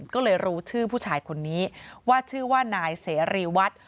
ก็เลยรู้ชื่อผู้ชายคนนี้ว่าชื่อว่านายเสรีวัฒน์